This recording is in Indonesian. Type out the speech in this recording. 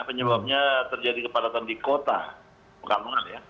penyebabnya terjadi kepadatan di kota pekalongan ya